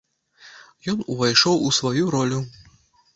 Ён увайшоў у сваю ролю.